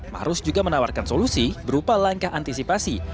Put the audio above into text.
maruf juga menawarkan solusi berupa langkah antisipasi